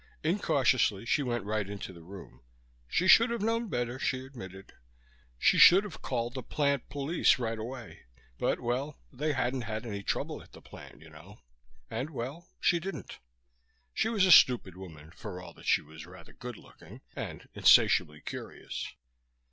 Incautiously she went right into the room. She should have known better, she admitted. She should have called the plant police right away, but, well, they hadn't had any trouble at the plant, you know, and well, she didn't. She was a stupid woman, for all that she was rather good looking, and insatiably curious.